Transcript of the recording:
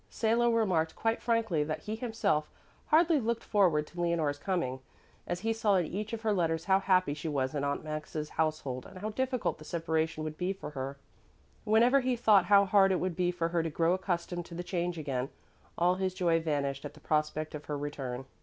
Salo remarked quite frankly that he himself hardly looked forward to Leonore's coming, as he saw in each of her letters how happy she was in Aunt Maxa's household and how difficult the separation would be for her. Whenever he thought how hard it would be for her to grow accustomed to the change again, all his joy vanished at the prospect of her return.